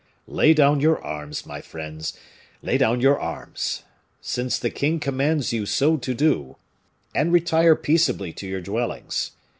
Lay down your arms, my friends lay down your arms! since the king commands you so to do and retire peaceably to your dwellings.